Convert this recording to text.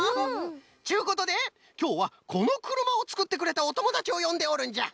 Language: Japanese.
っちゅうことできょうはこのくるまをつくってくれたおともだちをよんでおるんじゃ。